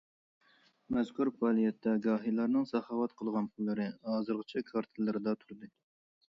مەزكۇر پائالىيەتتە گاھىلارنىڭ ساخاۋەت قىلغان پۇللىرى ھازىرغىچە كارتىلىرىدا تۇردى.